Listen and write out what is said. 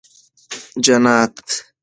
جنت